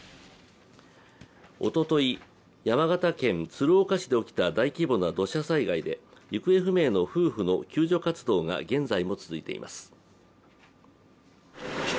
おととい、山形県鶴岡市で起きた大規模な土砂災害で行方不明の夫婦の救助活動が現在も続いています。